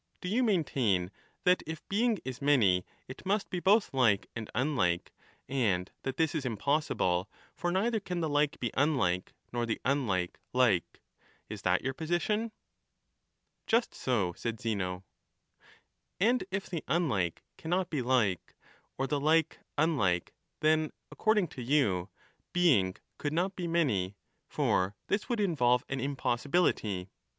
Do you maintain that if being is many, it must be both like and unlike, and that this is impossible, for neither can the like be unlike, nor the unlike like — is that your position ? Just so, said Zeno. And if the unlike cannot be like, or the like unlike, then according to you, being could not be many; for this would Digitized by VjOOQIC Zeno the 'alter ego' of Parmenides. 47 involve an impossibility.